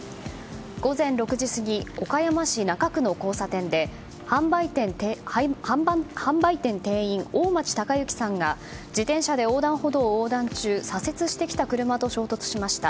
午前６時過ぎ岡山市中区の交差点で販売店店員、大町崇之さんが自転車で横断歩道を横断中左折してきた車と衝突しました。